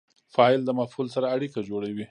فاعل د مفعول سره اړیکه جوړوي.